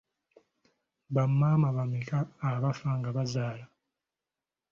Bamaama bameka abafa nga bazaala?